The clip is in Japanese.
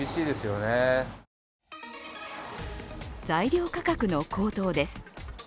材料価格の高騰です。